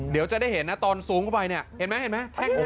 เดี๋ยวจะได้เห็นนะตอนซูมเข้าไปเนี่ยเห็นไหมเห็นไหม